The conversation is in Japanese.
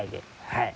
はい。